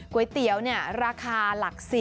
ก๋วยเตี๋ยวราคาหลัก๑๐